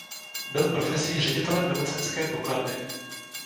Byl profesí ředitelem nemocenské pokladny.